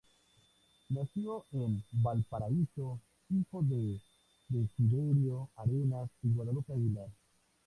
Nació en Valparaíso, hijo de Desiderio Arenas y Guadalupe Aguiar.